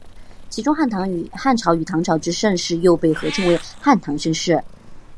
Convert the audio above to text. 其中汉朝与唐朝之盛世又被合称为汉唐盛世。